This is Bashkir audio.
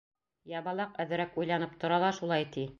Ябалаҡ әҙерәк уйланып тора ла шулай ти: